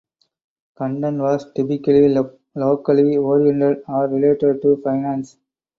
Content was typically locally oriented or related to finance.